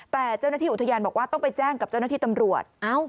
แต่เจ้าหน้าที่อุทยานบอกว่าต้องไปแจ้งกับเจ้าหน้าที่ตำรวจ